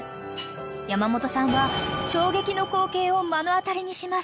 ［山本さんは衝撃の光景を目の当たりにします］